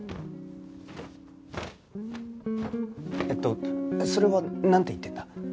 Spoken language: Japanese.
えっとそれはなんて言ってんだ？